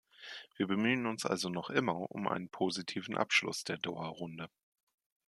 Wir bemühen uns also noch immer um einen positiven Abschluss der Doha-Runde.